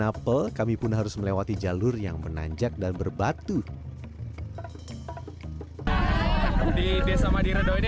apel kami pun harus melewati jalur yang menanjak dan berbatu di desa madiredo ini